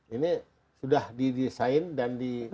ini sudah didesain dan di